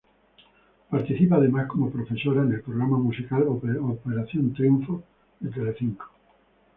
Participa además como profesora en el programa musical Operación Triunfo, de Telecinco.